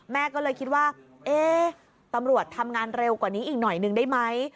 แม่ก็เลยคิดว่าเอ๊ะตำรวจทำงานเร็วกว่านี้อีกหน่อยนึงได้ไหม